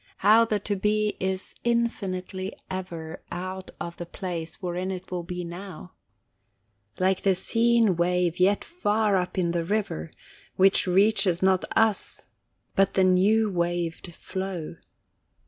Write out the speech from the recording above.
How the to be is infinitely ever Out of the place wherein it will be Now, Like the seen wave yet far up in the river, Which reaches not us, but the new waved flow!